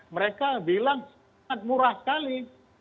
mereka bilang murah sekali